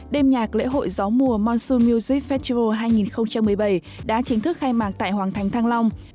đêm nhạc lễ hội gió mùa mansun music festial hai nghìn một mươi bảy đã chính thức khai mạc tại hoàng thành thăng long